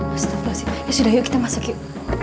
pasti ya sudah yuk kita masuk yuk